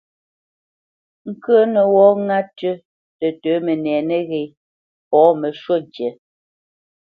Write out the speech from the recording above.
Ŋkə̄ə̄nə́ wɔ́ ŋá tʉ tətə̌ mənɛ nəghé pô məshwúʼ ŋkǐ.